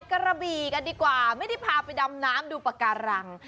กระบีกันดีกว่าไม่ได้พาไปดำน้ำดูปากการัง